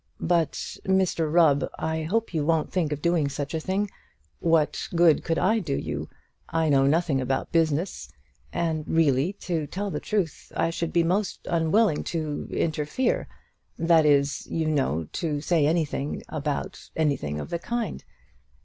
"But, Mr Rubb, I hope you won't think of doing such a thing. What good could I do you? I know nothing about business; and really, to tell the truth, I should be most unwilling to interfere that is, you know, to say anything about anything of the kind."